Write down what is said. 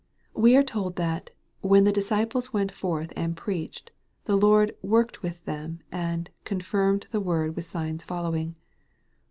We are told that, when the disciples went forth and preached, the Lord " worked with them," and " confirmed the word with signs fol lowing."